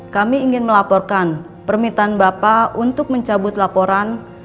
kami ingin melaporkan permintaan bapak untuk mencabut laporan